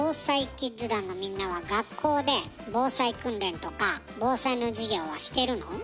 キッズ団のみんなは学校で防災訓練とか防災の授業はしてるの？